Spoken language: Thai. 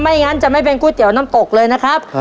งั้นจะไม่เป็นก๋วยเตี๋ยวน้ำตกเลยนะครับ